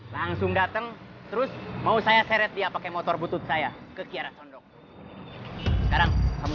langsung datang terus mau saya seret dia pakai motor butut saya ke kiara condok sekarang sama